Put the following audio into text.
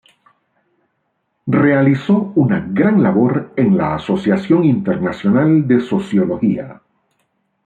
Realizó una gran labor en la Asociación Internacional de Sociología.